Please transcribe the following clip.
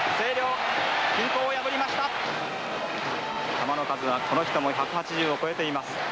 球の数はこの人も１８０を超えています。